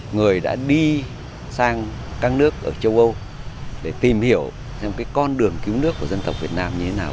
người đã đi sang các nước ở châu âu để tìm hiểu xem con đường cứu nước của dân tộc việt nam như thế nào